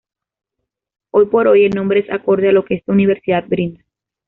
Hoy por hoy el nombre es acorde a lo que esta universidad brinda.